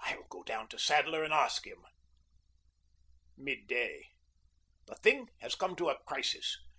I will go down to Sadler and ask him. Mid day. The thing has come to a crisis.